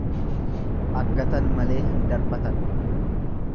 Aggatan malee hin darbatan.